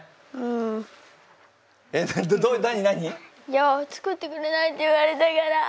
いや作ってくれないって言われたから。